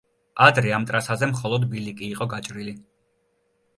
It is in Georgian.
ადრე ამ ტრასაზე მხოლოდ ბილიკი იყო გაჭრილი.